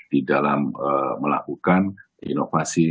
di dalam melakukan inovasi